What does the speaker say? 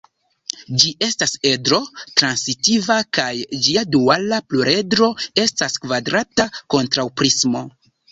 Ĝi estas edro-transitiva kaj ĝia duala pluredro estas kvadrata kontraŭprismo.